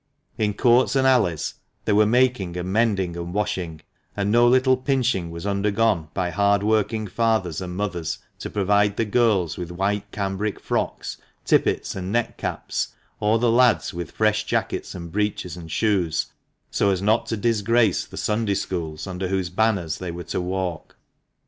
In courts and alleys there were making, and mending, and washing; and no little pinching was undergone by hard working fathers and mothers to provide the girls with white cambric frocks, tippets, and net caps, or the lads with fresh jackets and breeches and shoes, so as not to disgrace the Sunday schools under whose banners they were to walk.